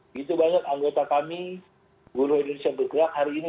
begitu banyak anggota kami buruh indonesia bergerak hari ini